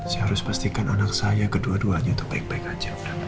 saya harus pastikan anak saya kedua duanya itu baik baik aja